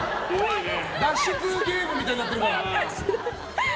脱出ゲームみたいになってるから。